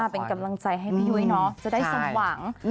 เป็นกำลังใจให้พี่ยุ้ยเนาะจะได้สมหวัง